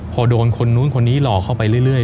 พอโดนคนนู้นคนนี้หลอกเข้าไปเรื่อย